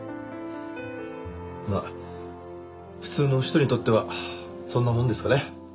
まあ普通の人にとってはそんなもんですかね。